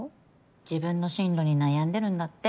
自分の進路に悩んでるんだって。